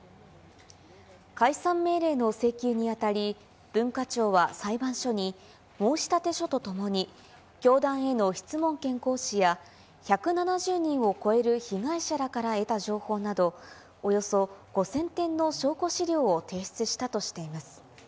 解散命令の請求にあたり、文化庁は裁判所に、申立書とともに教団への質問権行使や、１７０人を超える被害者らから得た情報など、およそ５０００点の証拠資料を提出したとしています。